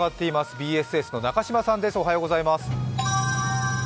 ＢＳＳの中島さんです。